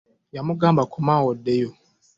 Yamugamba koma awo oddeyo.